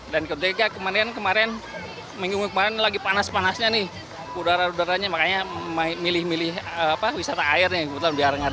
dan kedua kemarin lagi panas panasnya nih udara udaranya makanya milih milih wisata airnya